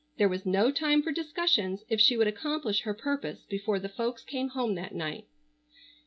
There was no time for discussions if she would accomplish her purpose before the folks came home that night.